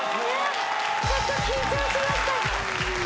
ちょっと緊張しました。